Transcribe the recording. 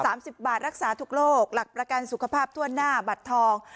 สามสิบบาทรักษาทุกโรคหลักประกันสุขภาพทั่วหน้าบัตรทอง